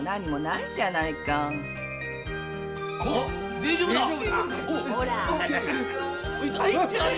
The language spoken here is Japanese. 大丈夫だ！